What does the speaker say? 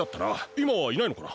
いまはいないのかな？